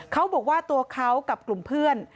เขาบอกว่าตัวเขากับกลุ่มเพื่อน